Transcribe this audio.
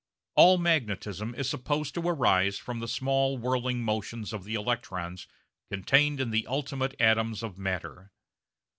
All magnetism is supposed to arise from the small whirling motions of the electrons contained in the ultimate atoms of matter.